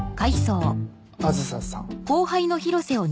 梓さん。